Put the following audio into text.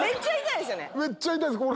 めっちゃ痛いですよね？